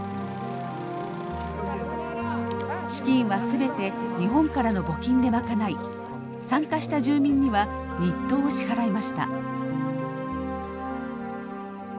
資金は全て日本からの募金で賄い参加した住民には日当を支払いました。